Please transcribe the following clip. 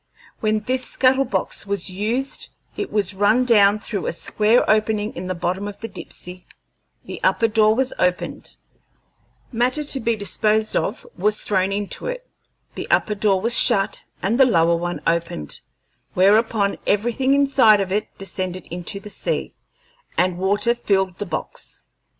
When this scuttle box was used it was run down through a square opening in the bottom of the Dipsey, the upper door was opened, matter to be disposed of was thrown into it, the upper door was shut and the lower one opened, whereupon everything inside of it descended into the sea, and water filled the box.